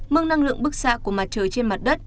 mức năng lượng bức xạ của mặt trời trên mặt đất